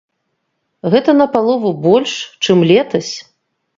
Гэта напалову больш, чым летась.